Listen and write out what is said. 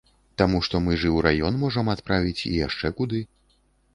Таму што мы ж і ў раён можам адправіць і яшчэ куды.